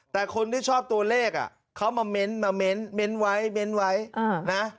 แต่คนที่ชอบตัวเลขเขามาเม้นต์มาเม้นไว้เม้นไว้นะ